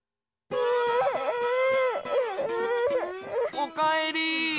おかえり！